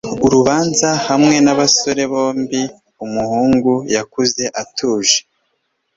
urubanza hamwe nabasore bombi. umuhungu yakuze atuje